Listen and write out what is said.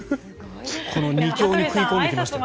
この２強に食い込んできましたよ